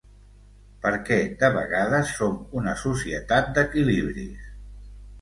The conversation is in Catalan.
Perquè de vegades som una societat d’equilibris.